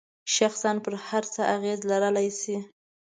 شخصاً پر هر څه اغیز لرلای شي.